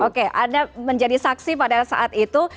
oke anda menjadi saksi pada saat itu